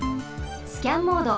スキャンモード。